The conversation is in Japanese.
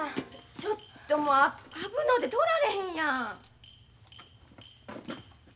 ちょっともう危のうて通られへんやん！